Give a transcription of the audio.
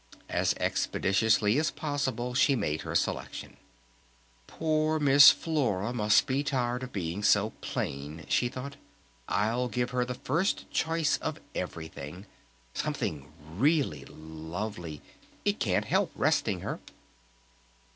As expeditiously as possible she made her selection. "Poor Miss Flora must be so tired of being so plain," she thought. "I'll give her the first choice of everything! Something really lovely! It can't help resting her!"